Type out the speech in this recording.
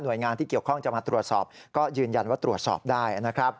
โดยงานที่เกี่ยวข้องจะมาตรวจสอบก็ยืนยันว่าตรวจสอบได้นะครับ